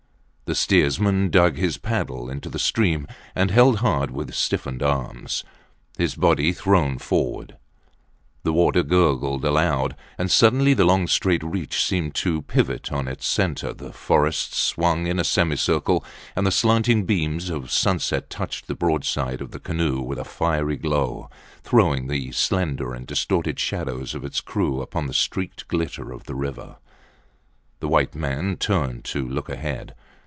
The steersman dug his paddle into the stream, and held hard with stiffened arms, his body thrown forward. The water gurgled aloud; and suddenly the long straight reach seemed to pivot on its centre, the forests swung in a semicircle, and the slanting beams of sunset touched the broadside of the canoe with a fiery glow, throwing the slender and distorted shadows of its crew upon the streaked glitter of the river. The white man turned to look ahead.